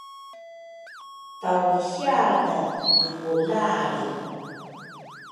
taulrisiane ngibulalri